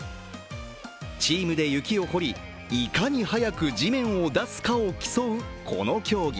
チームで雪を掘り、いかに速く地面を出すかを競うこの競技。